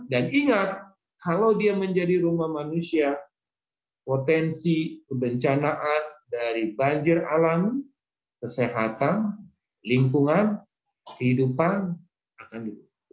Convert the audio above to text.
dan ingat kalau dia menjadi rumah manusia potensi kebencanaan dari banjir alami kesehatan lingkungan kehidupan akan hidup